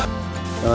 điều đó vậy đó